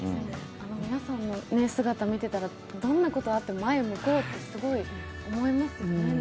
皆さんの姿を見ていたら、どんなことがあっても前を向こうって、すごい思いますもんね。